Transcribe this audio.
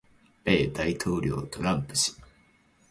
米大統領トランプ氏